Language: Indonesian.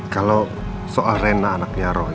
kalau soal rena anaknya roh